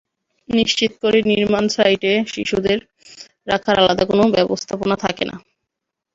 নিশ্চিত করেই নির্মাণ সাইটে শিশুদের রাখার আলাদা কোনো ব্যবস্থাপনা থাকে না।